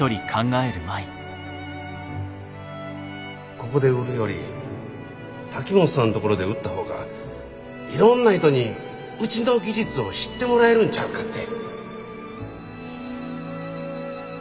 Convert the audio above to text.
ここで売るより瀧本さんのところで売った方がいろんな人にうちの技術を知ってもらえるんちゃうかって。